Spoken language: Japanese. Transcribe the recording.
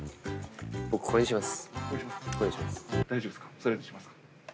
僕これにします。